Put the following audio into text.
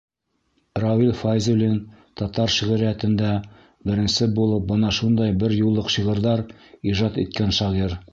Рауил Фәйзуллин татар шиғриәтендә беренсе булып бына шундай бер юллыҡ шиғырҙар ижад иткән шағир.